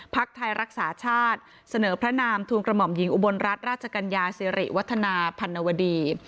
ไทยรักษาชาติเสนอพระนามทูลกระหม่อมหญิงอุบลรัฐราชกัญญาสิริวัฒนาพันวดี